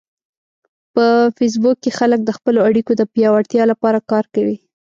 په فېسبوک کې خلک د خپلو اړیکو د پیاوړتیا لپاره کار کوي